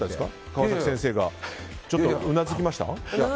川崎先生がちょっとうなずきました？